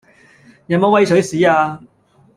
有乜威水史啊